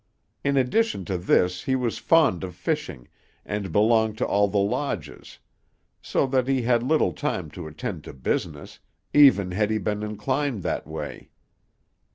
In addition to this he was fond of fishing, and belonged to all the lodges; so that he had little time to attend to business, even had he been inclined that way.